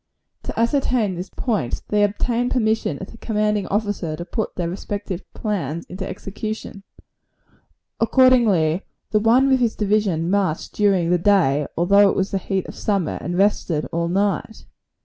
To ascertain this point, they obtained permission of the commanding officer to put their respective plans into execution. Accordingly, the one with his division marched during the day, although it was in the heat of summer, and rested all night.